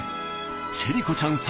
チェリ子ちゃん作